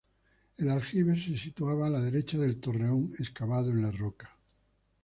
El aljibe se situaba a la derecha del torreón, excavado en la roca.